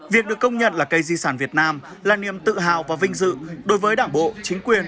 việc được công nhận là cây di sản việt nam là niềm tự hào và vinh dự đối với đảng bộ chính quyền